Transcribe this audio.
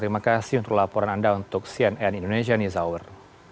terima kasih untuk laporan anda untuk cnn indonesia news hour